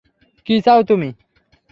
কি চাও তুমি?